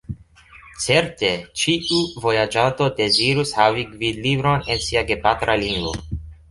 Certe, ĉiu vojaĝanto dezirus havi gvidlibron en sia gepatra lingvo.